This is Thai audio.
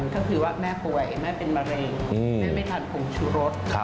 ก็คือว่าแม่ป่วยแม่เป็นมะเร็งแม่ไม่ทันผงชูรส